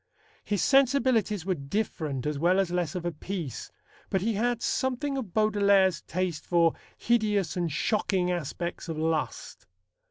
His sensibilities were different as well as less of a piece, but he had something of Baudelaire's taste for hideous and shocking aspects of lust.